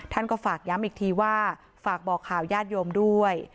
ก็ฝากย้ำอีกทีว่าฝากบอกข่าวญาติโยมด้วย